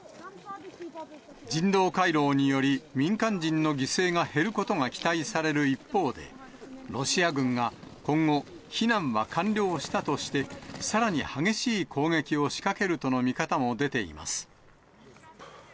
人道回廊により、民間人の犠牲が減ることが期待される一方で、ロシア軍が今後、避難は完了したとして、さらに激しい攻撃を仕掛けるとの見方も出ています。